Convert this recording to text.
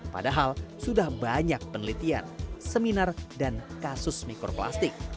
padahal sudah banyak penelitian seminar dan kasus mikroplastik